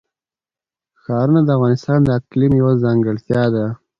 ښارونه د افغانستان د اقلیم یوه ځانګړتیا ده.